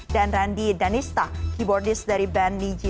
dan randi danista keyboardist dari band niji